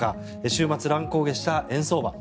週末、乱高下した円相場。